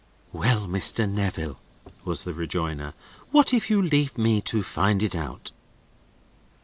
"Well, Mr. Neville," was the rejoinder. "What if you leave me to find it out?"